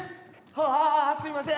ああすいません。